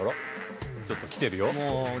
［ちょっときてるよ］